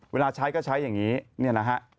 เวลาใช้ก็ใช้อย่างนี้เนี่ยนะฮะ